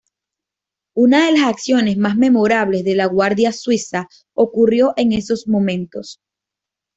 Una de las acciones más memorables de la Guardia Suiza ocurrió en esos momentos.